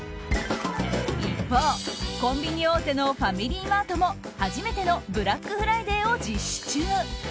一方、コンビニ大手のファミリーマートも初めてのブラックフライデーを実施。